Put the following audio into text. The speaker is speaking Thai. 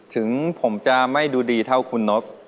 ถึงผมจะไม่ดูดีเท่าคุณนก